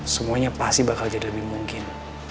semuanya pasti bakal jadi lebih mungkin